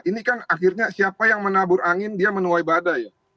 ini kan akhirnya siapa yang menabur angin dia menuai badai